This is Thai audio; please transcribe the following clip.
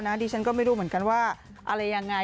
ดิฉันก็ไม่รู้เหมือนกันว่าอะไรยังไง